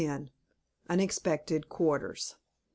UNEXPECTED QUARTERS.